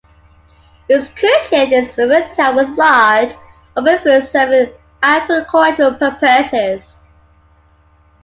Euskirchen is a rural town with large, open fields serving agricultural purposes.